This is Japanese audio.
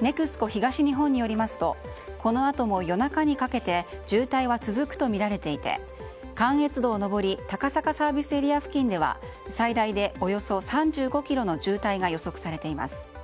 ＮＥＸＣＯ東日本によりますとこのあとも、夜中にかけて渋滞は続くとみられていて関越道上り高坂ＳＡでは最大でおよそ３５ｋｍの渋滞が予測されています。